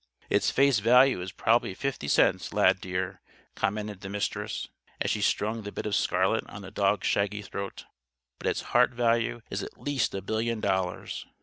_" "Its face value is probably fifty cents, Lad, dear," commented the Mistress, as she strung the bit of scarlet on the dog's shaggy throat. "But its heart value is at least a billion dollars.